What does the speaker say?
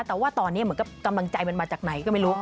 แต่ว่าตอนนี้เหมือนกับกำลังใจมันมาจากไหนก็ไม่รู้